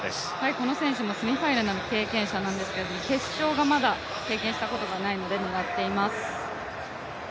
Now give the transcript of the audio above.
この選手もセミファイナルの経験者なんですけど、決勝がまだ経験したことがないので狙っています。